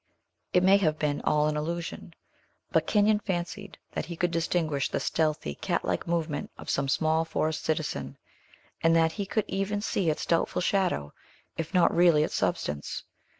It may have been all an illusion; but Kenyon fancied that he could distinguish the stealthy, cat like movement of some small forest citizen, and that he could even see its doubtful shadow, if not really its substance.